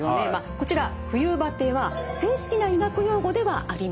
こちら冬バテは正式な医学用語ではありません。